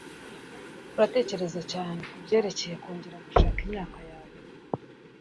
Uratekereza cyane kubyerekeye kongera gushaka imyaka yawe?